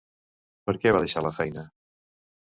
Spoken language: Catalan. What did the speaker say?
Per què va deixar la feina?